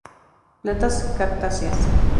Plantas cactáceas.